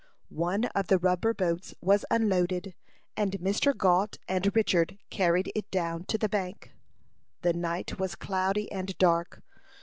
One of the rubber boats was unloaded, and Mr. Gault and Richard carried it down to the bank. The night was cloudy and dark.